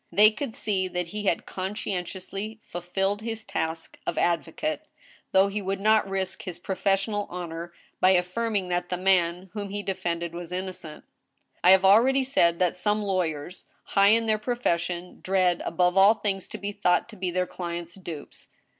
They could see that he had conscientiously fulfilled his task of advocate, though he would not risk his professional honor by afi&rming that the nianivhon) he de fended was innocent. I have ah oady said that some lawyers, high in their profession, dread above all things to be thought to be their clients' dupes.